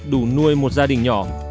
đủ nuôi một gia đình nhỏ